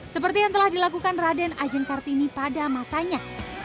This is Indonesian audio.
seperti yang telah dilakukan raden ajeng kartini pada masanya